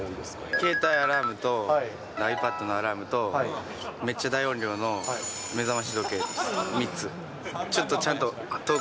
携帯アラームと、ｉＰａｄのアラームと、めっちゃ大音量の目覚まし時計です、３つ。